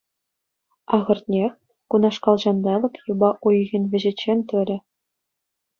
Ахӑртнех, кунашкал ҫанталӑк юпа уйӑхӗн вӗҫӗччен тӑрӗ.